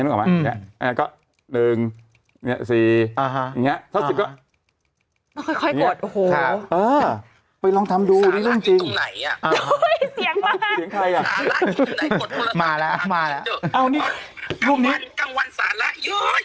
กลางวันสาระเยอะเยอะกันคืน